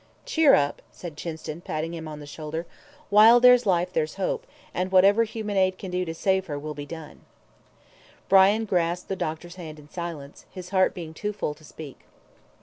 "Cheer up," said Chinston, patting him on the shoulder; "while there's life there's hope, and whatever human aid can do to save her will be done." Brian grasped the doctor's hand in silence, his heart being too full to speak.